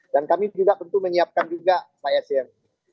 dan kami juga tentu menyiapkan juga pak yasir